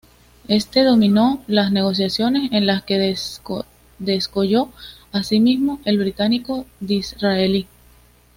Este dominó las negociaciones, en las que descolló asimismo el británico Disraeli.